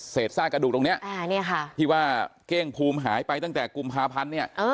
ซากกระดูกตรงนี้ที่ว่าเก้งภูมิหายไปตั้งแต่กุมภาพันธ์เนี่ย